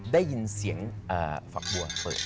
ได้ยินเสียงฝักบัวเปิด